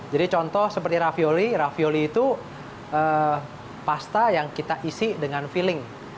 jadi contoh seperti ravioli ravioli itu pasta yang kita isi dengan filling